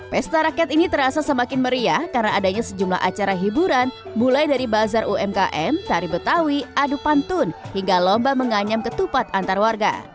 pesta rakyat ini terasa semakin meriah karena adanya sejumlah acara hiburan mulai dari bazar umkm tari betawi adu pantun hingga lomba menganyam ketupat antar warga